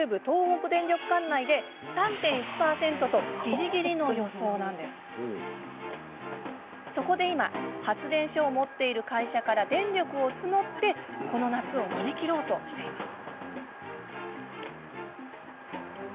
しかし、この７月はそこで今発電所を持っている会社から電力を募ってこの夏を乗り切ろうとしています。